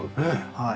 はい。